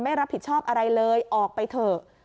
ไม่รับผิดชอบอะไรเลยออกไปเถอะ